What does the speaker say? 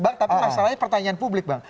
bang tapi masalahnya pertanyaan publik bang